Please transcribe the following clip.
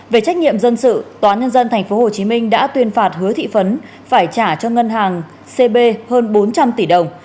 về trách nhiệm dân sự toán nhân dân tp hcm đã tuyên phạt hứa thị phấn phải trả cho ngân hàng cb hơn bốn trăm linh tỷ đồng